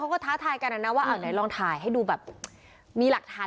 เขาก็ท้าทายกันนะนะว่าอ่าไหนลองถ่ายให้ดูแบบมีหลักฐาน